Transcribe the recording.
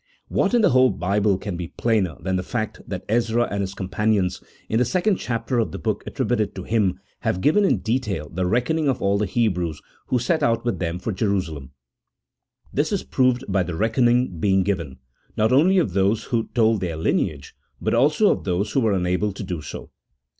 What in the whole Bible can be plainer than the fact that Ezra and his companions, in the second chapter of the book attributed to him, have given in detail the reckoning of all the Hebrews who set out with them for Jerusalem ? This is proved by the reckoning being given, not only of those who told their lineage, but also of those who were unable to do so.